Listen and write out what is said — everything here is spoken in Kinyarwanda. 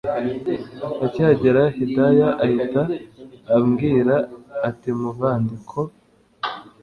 akihagera Hidaya ahita ambwira atimuvandi ko